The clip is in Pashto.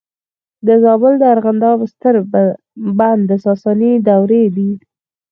د زابل د ارغنداب ستر بند د ساساني دورې دی